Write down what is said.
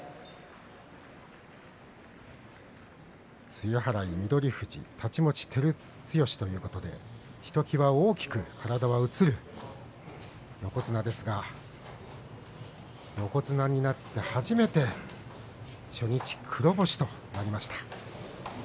露払い、翠富士太刀持ち、照強ということでひときわ大きく体が映る横綱ですが横綱になって初めて初日黒星となりました。